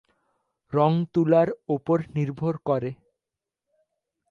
রঙ তুলার উপর নির্ভর করে।